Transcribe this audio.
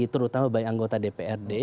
terutama bagi anggota dprd